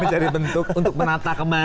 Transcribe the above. mencari bentuk untuk menata kembali